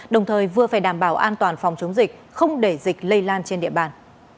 đồng thời vừa phải đảm bảo an toàn phòng chống dịch không để dịch lây lan trên địa bàn